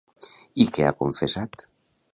I què ha confessat?